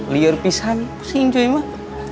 liur pisah nih pusing cuy mah